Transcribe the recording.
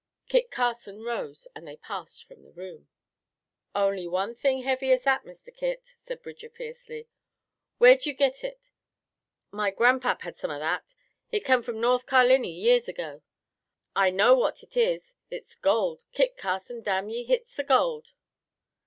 Kit Carson rose and they passed from the room. "Only one thing heavy as that, Mister Kit!" said Bridger fiercely. "Where'd you git hit? My gran'pap had some o' that. Hit come from North Carliny years ago. I know what hit is hit's gold! Kit Carson, damn ye, hit's the gold!"